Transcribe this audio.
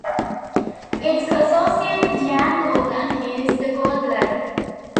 Its associated yang organ is the Gallbladder.